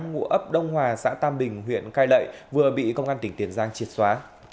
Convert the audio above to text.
ngụ ấp đông hòa xã tam bình huyện cai lệ vừa bị công an tỉnh tiền giang triệt xóa